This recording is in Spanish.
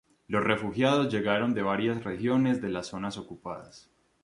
Los refugiados llegaron de varias regiones de las zonas ocupadas.